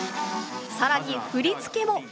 さらに振り付けも。